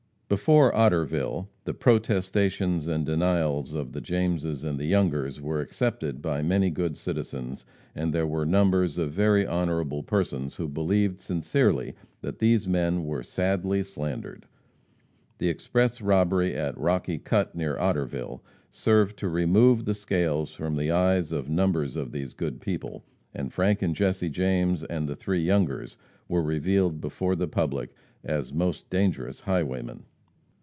Before Otterville, the protestations and denials of the Jameses and the Youngers were accepted by many good citizens, and there were numbers of very honorable persons who believed sincerely that these men were sadly slandered. The express robbery at Rocky Cut, near Otterville, served to remove the scales from the eyes of numbers of these good people, and Frank and Jesse James, and the three Youngers were revealed before the public as most dangerous highwaymen.